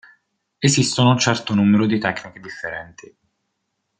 Esistono un certo numero di tecniche differenti.